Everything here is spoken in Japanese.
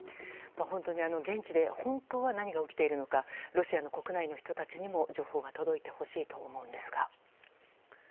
現地では本当は何が起きているのかロシアの国内の人たちにも情報が届いてほしいと思うんですが。